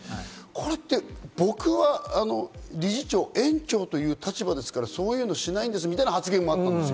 これって僕は理事長、園長という立場ですから、そういうのをしないんですみたいな発言もあった。